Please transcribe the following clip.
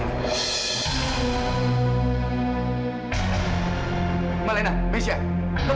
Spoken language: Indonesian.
ini zahira kasih aku